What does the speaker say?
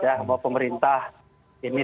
ya bahwa pemerintah ini